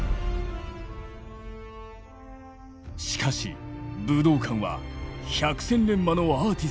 しかし武道館は百戦錬磨のアーティストたちをも狂わす。